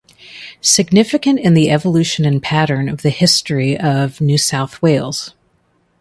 Significant in the evolution and pattern of the history of New South Wales.